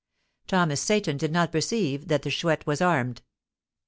Thomas Seyton did not perceive that the Chouette was armed.